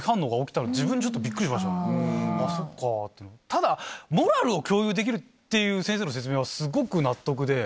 ただモラルを共有できるっていう先生の説明はすごく納得で。